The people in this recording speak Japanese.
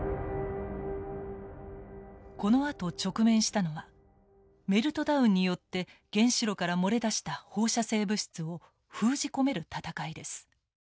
このあと直面したのはメルトダウンによって原子炉から漏れ出した放射性物質を封じ込める闘いです。